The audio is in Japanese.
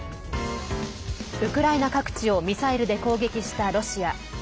ウクライナ各地をミサイルで攻撃したロシア。